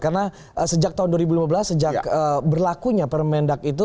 karena sejak tahun dua ribu lima belas sejak berlakunya permendak itu